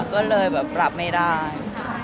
ก็เลยแบบปรับไม่ได้